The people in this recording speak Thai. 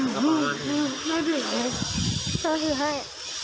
สวัสดีสวัสดี